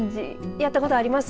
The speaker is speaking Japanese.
やったことあります。